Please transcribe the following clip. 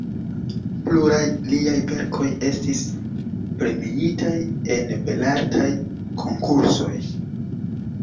Pluraj liaj verkoj estis premiitaj en Belartaj Konkursoj.